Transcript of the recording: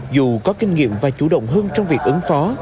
dù có kinh nghiệm và chủ động hơn trong việc ứng phó